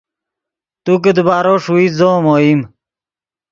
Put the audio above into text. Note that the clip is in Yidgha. تو کہ دیبارو ݰوئیت زو ام اوئیم